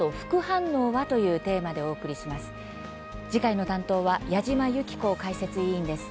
次回の担当は矢島ゆき子解説委員です。